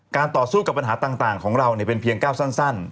ต่อสู้กับปัญหาต่างของเราเป็นเพียงก้าวสั้น